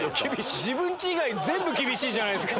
自分家以外全部厳しいじゃないですか。